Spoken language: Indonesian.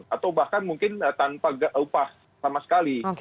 atau bahkan mungkin tanpa upah sama sekali